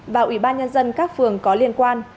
và ủy ban nhân dân các phường có liên quan